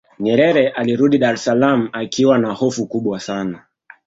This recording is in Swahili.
nyerere alirudi dar es salaam akiwa na hofu kubwa sana